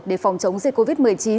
để phòng chống dịch covid một mươi chín